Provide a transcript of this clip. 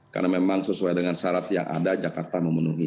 karena memang sesuai dengan syarat yang ada jakarta memenuhi